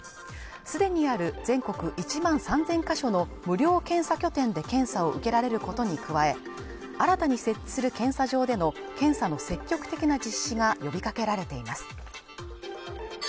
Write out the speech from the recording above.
すでにある全国１万３０００か所の無料検査拠点で検査を受けられることに加え新たに設置する検査場での検査の積極的な実施が呼びかけられています